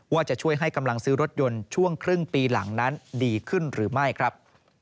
ว่าจะช่วยให้กำลังซื้อรถยนต์ช่วงครึ่งปีหลังนั้นดีขึ้นหรือไม่ครับ